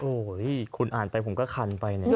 โอ้โหคุณอ่านไปผมก็คันไปเนี่ย